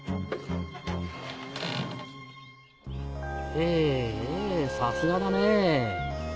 へぇさすがだねぇ。